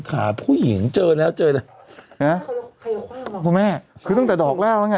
หาผู้หญิงเจอแล้วเจอแล้วนะคุณแม่คือตั้งแต่ดอกแรกแล้วไง